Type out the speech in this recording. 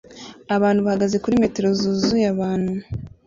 Abantu bahagaze kuri metero zuzuye abantu